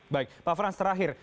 baik pak frans terakhir